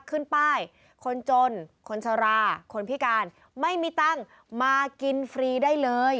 ขึ้นป้ายคนจนคนชะลาคนพิการไม่มีตังค์มากินฟรีได้เลย